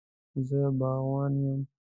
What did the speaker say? زه باغوان یم